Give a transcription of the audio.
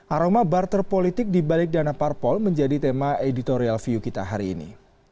aroma barter politik dibalik dana parpol menjadi tema editorial view kita hari ini